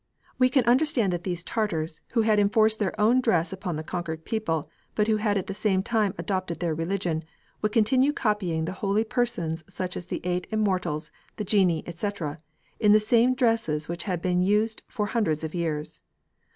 We can understand that these Tartars, who had enforced their own dress upon the conquered people, but who had at the same time adopted their religion, would continue copying the holy persons such as the eight immortals, the genii, &c., in the same dresses which had been in use for hundreds of years.